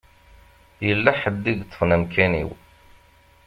Yella ḥedd i yeṭṭfen amkan-iw.